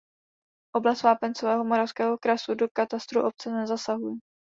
Oblast vápencového Moravského krasu do katastru obce nezasahuje.